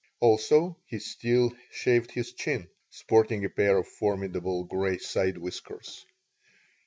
Also, he still shaved his chin, sporting a pair of formidable gray side whiskers.